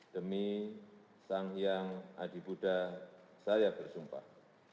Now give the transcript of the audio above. demi sang yang adi buddha saya bersumpah